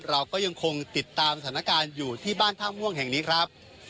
เราก็ยังคงติดตามสถานการณ์อยู่ที่บ้านท่าม่วงแห่งนี้ครับ